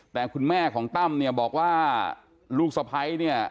แต่คุณแม่ของตำบอกว่าลูกสะพ้ายเนี่ย